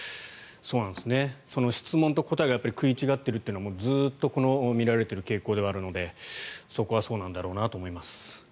その質問と答えが食い違っているというのはずっとこの見られている傾向ではあるのでそこはそうなんだろうなと思います。